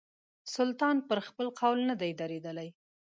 سلطان پر خپل قول نه دی درېدلی.